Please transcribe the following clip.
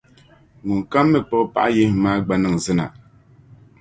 ŋunkam mi kpuɣ’ paɣiyihiŋ maa gba niŋ zina.